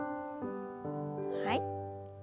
はい。